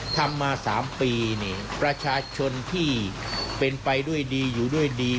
ทำมา๓ปีประชาชนที่เป็นไปด้วยดีอยู่ด้วยดี